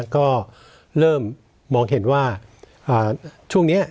ก็เริ่มมองเห็นว่าช่วงนี้